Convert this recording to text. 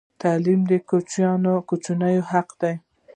تعلیم د کوچني حق دی.